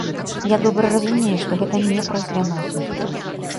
Я добра разумею, што гэта не праз ляноту.